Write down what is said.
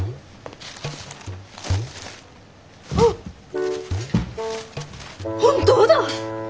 あっ本当だ。